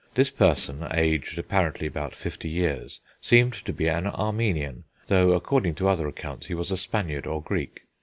This person, aged apparently about fifty years, seemed to be an Armenian, though, according to other accounts, he was a Spaniard or Greek.